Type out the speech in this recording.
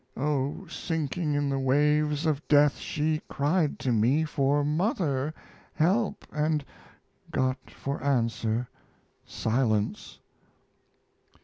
O, sinking in the waves of death she cried to me For mother help, and got for answer Silence!